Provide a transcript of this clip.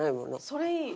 それいい。